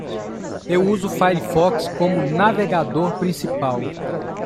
Eu uso o Firefox como navegador principal.